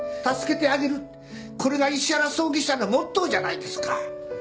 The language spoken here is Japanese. これが石原葬儀社のモットーじゃないですか。